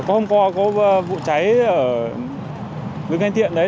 có hôm qua có vụ cháy ở lương an thiện đấy